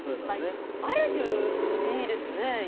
ある種、いいですね。